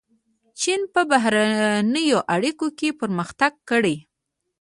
چین په بهرنیو اړیکو کې پرمختګ کړی.